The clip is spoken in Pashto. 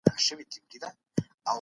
نولسمه پېړۍ تر اتلسمې پېړۍ ډېره علمي وه.